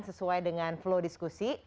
sesuai dengan flow diskusi